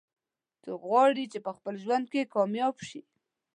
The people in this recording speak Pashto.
څوک غواړي چې په خپل ژوند کې کامیاب شي